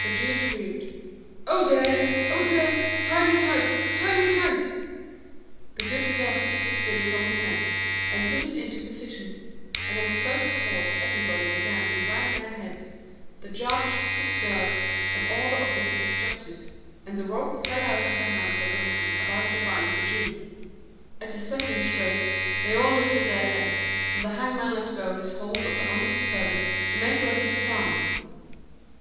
The Jew screamed, 'Oh dear! Oh dear! Tie me tight, tie me tight!' The good Servant took his fiddle from his neck, and put it into position, and at the first chord everybody began to wag their heads, the Judge, his Clerk, and all the Officers of Justice, and the rope fell out of the hand of the man about to bind the Jew. At the second scrape, they all lifted their legs, and the Hangman let go his hold of the honest Servant, to make ready to dance.